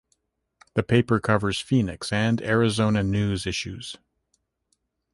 The paper covers Phoenix and Arizona news issues.